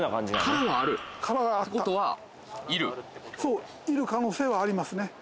殻があったそういる可能性はありますね